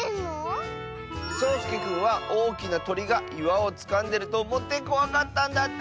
そうすけくんはおおきなとりがいわをつかんでるとおもってこわかったんだって！